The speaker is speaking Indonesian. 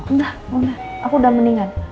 enggak enggak aku udah mendingan